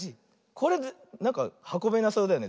これなんかはこべなそうだよねぜったい。